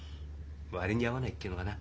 割に合わないって言うのかな。